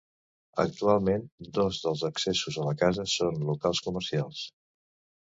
Actualment, dos dels accessos a la casa són locals comercials.